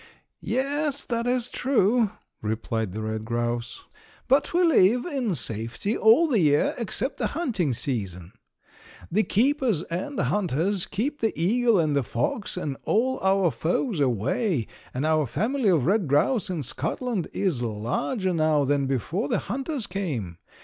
"Yes, that is true," replied the red grouse, "but we live in safety all the year except the hunting season. The keepers and the hunters keep the eagle and the fox and all our foes away, and our family of red grouse in Scotland is larger now than before the hunters came.